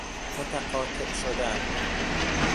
متقاطع شدن